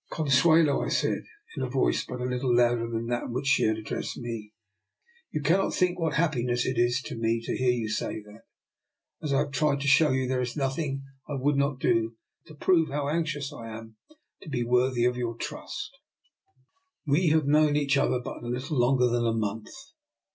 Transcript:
" Consuelo," I said, in a voice but little louder than that in which she had addressed me, " you cannot think what happiness it is to me to hear you say that. As I have tried to show you, there is nothing I would riot do to prove how anxious I am to be worthy of 220 DR. NIKOLA'S EXPERIMENT. your trust. We have known each other but little longer than a month.